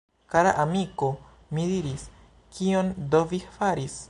Kara amiko! mi diris, kion do vi faris!?